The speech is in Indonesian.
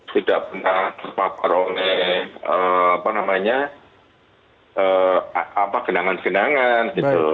tidak pernah terpapar oleh kenangan kenangan